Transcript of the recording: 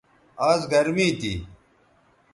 آز گرمی تھی